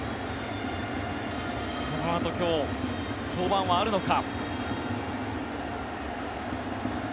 このあと今日、登板はあるのか。